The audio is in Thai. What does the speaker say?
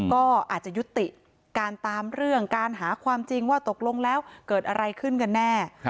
ก็อาจจะยุติการตามเรื่องการหาความจริงว่าตกลงแล้วเกิดอะไรขึ้นกันแน่